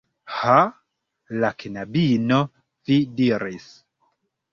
Ha? La knabino, vi diris